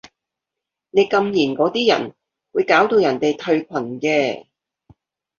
你禁言嗰啲人會搞到人哋退群嘅